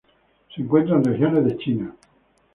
Se encuentra en regiones de China.